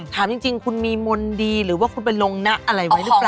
ถามจริงคุณมีมนต์ดีหรือว่าคุณไปลงนะอะไรไว้หรือเปล่า